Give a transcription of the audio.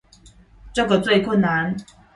這個最困難